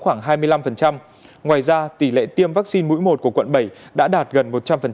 khoảng hai mươi năm ngoài ra tỷ lệ tiêm vaccine mũi một của quận bảy đã đạt gần một trăm linh